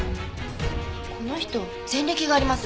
この人前歴があります。